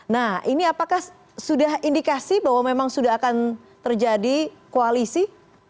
nah ini apakah sudah indikasi bahwa memang sudah akan terjadi koalisi